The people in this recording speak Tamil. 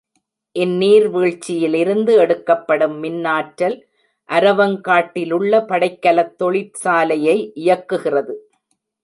இந் நீர் வீழ்ச்சியிலிருந்து எடுக்கப்படும் மின்னாற்றல் அரவங் காட்டிலுள்ள படைக்கலத் தொழிற்சாலை யை இயக்குகிறது.